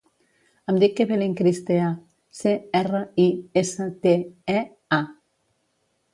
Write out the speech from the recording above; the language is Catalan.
Em dic Evelyn Cristea: ce, erra, i, essa, te, e, a.